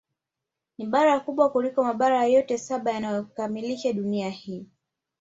Ni bara kubwa kuliko Mabara yote saba yanayoikamilisha Dunia hii